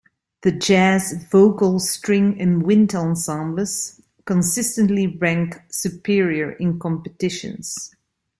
The jazz, vocal, string and wind ensembles consistently rank Superior in competitions.